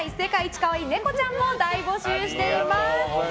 かわいいネコちゃんも大募集しています。